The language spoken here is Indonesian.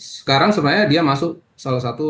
sekarang sebenarnya dia masuk salah satu